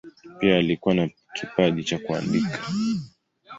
Pia alikuwa na kipaji cha kuandika.